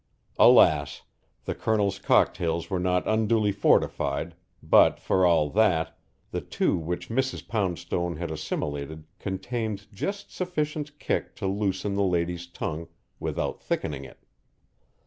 Alas! The Colonel's cocktails were not unduly fortified, but for all that, the two which Mrs. Poundstone had assimilated contained just sufficient "kick" to loosen the lady's tongue without thickening it.